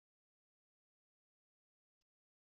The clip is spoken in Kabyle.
Yuba yexs ad yeẓwa ɣel Buɣni.